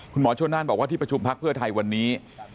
คุณหมอชนน่านบอกว่าที่ประชุมพักเพื่อไทยวันนี้